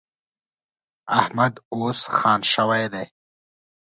احمد اوس خان شوی دی.